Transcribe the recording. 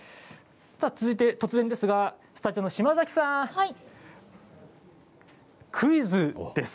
突然ですが、スタジオの島崎さんクイズです。